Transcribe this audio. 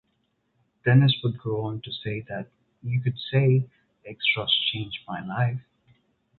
Dennis would go on to say that you could say Extras changed my life.